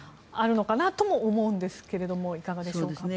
あるのかなと思うんですけどいかがでしょうか。